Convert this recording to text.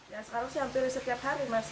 ya sekarang sih hampir setiap hari mas